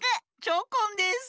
チョコンです。